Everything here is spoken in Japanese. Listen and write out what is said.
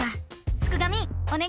すくがミおねがい！